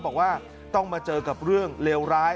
บอกว่าต้องมาเจอกับเรื่องเลวร้าย